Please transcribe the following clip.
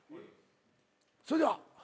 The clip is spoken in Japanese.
それでは。